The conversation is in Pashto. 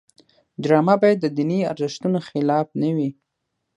ډرامه باید د دیني ارزښتونو خلاف نه وي